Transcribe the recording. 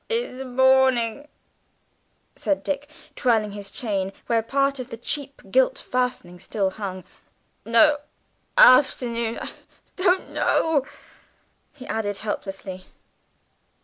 "In the morning," said Dick, twirling his chain, where part of the cheap gilt fastening still hung. "No; afternoon. I don't know," he added helplessly.